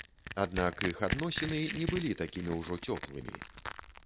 Аднак іх адносіны не былі такімі ўжо цёплымі.